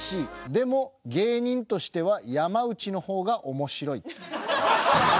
でも芸人としては山内の方が面白い。